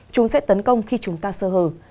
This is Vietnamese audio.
chúng sẽ tấn công khi chúng ta sơ hờ